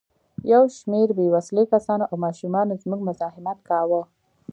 یو شمېر بې وسلې کسانو او ماشومانو زموږ مزاحمت کاوه.